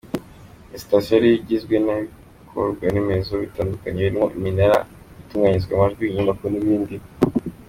Ni sitasiyo yari igizwe n’ibikorwaremezo bitandukanye birimo iminara, ahatunganyirizwa amajwi, inyubako n’ibindi.